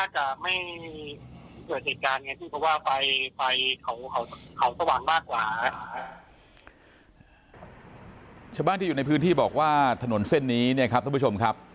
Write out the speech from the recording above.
ชาวบ้านที่อยู่ในพื้นที่บอกว่าถนนเส้นนี้เนี่ยครับท่านผู้ชมครับ